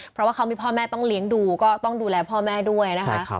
เพราะว่าเขามีพ่อแม่ต้องเลี้ยงดูก็ต้องดูแลพ่อแม่ด้วยนะคะ